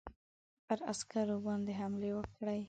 پر عسکرو باندي حملې وکړې.